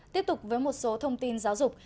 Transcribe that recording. tiếp tục với một số thông tin giáo dục